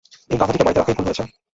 এই গাধাটিকে বাড়িতে রাখাই ভুল হয়েছে।